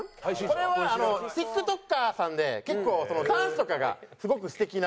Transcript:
これはＴｉｋＴｏｋｅｒさんで結構ダンスとかがすごく素敵な。